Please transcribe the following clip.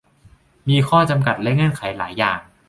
มีข้อจำกัดและเงื่อนไขหลายอย่าง